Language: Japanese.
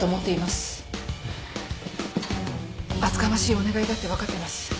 厚かましいお願いだって分かってます。